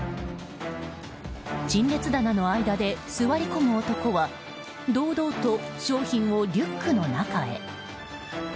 陳列棚の間で座り込む男は堂々と商品をリュックの中へ。